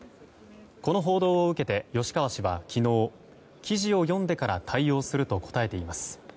この報道を受けて吉川氏は昨日記事を読んでから対応すると答えています。